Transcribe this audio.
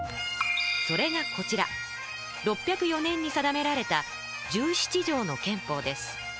それがこちら６０４年に定められた「十七条の憲法」です。